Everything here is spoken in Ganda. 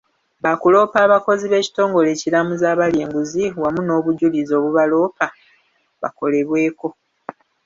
Baakuloopa abakoze b'ekitongole ekiramuzi abalya enguzi wamu n'obujulizi obubaloopa bakolebweko.